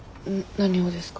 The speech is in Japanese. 何ですか？